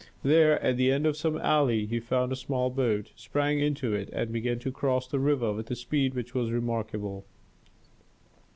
There, at the end of some alley, he found a small boat, sprang into it and began to cross the river with a speed which was remarkable.